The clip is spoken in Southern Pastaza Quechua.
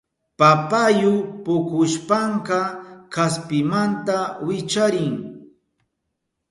Papayu pukushpanka kaspimanta wicharin.